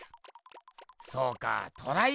そうかぁトライ